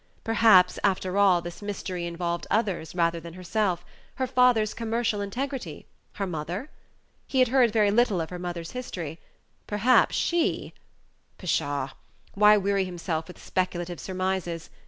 Perhaps, after all, this mystery involved others rather than herself her father's commercial integrity her mother? He had heard very little of her mother's history; perhaps she Pshaw! why weary himself with speculative surmises?